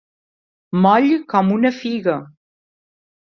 Moll com una figa.